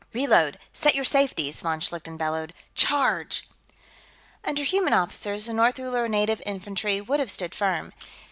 "Reload! Set your safeties!" von Schlichten bellowed. "Charge!" Under human officers, the North Uller Native Infantry would have stood firm.